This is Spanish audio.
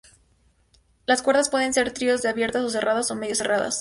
Las cuerdas pueden ser tríos de abiertas o cerradas o medio cerradas.